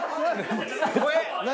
何？